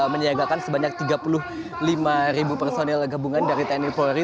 menyiagakan sebanyak tiga puluh lima personil gabungan dari tni polri